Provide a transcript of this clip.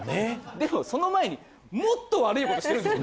でもその前にもっと悪いことしてるんです。